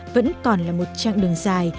vẫn còn là một chặng đường dài